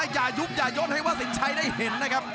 อย่ายุบอย่ายดให้ว่าสินชัยได้เห็นนะครับ